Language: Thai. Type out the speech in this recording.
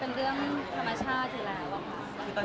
แสวได้ไงของเราก็เชียนนักอยู่ค่ะเป็นผู้ร่วมงานที่ดีมาก